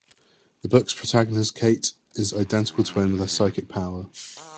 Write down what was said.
The book's protagonist Kate is an identical twin with psychic powers.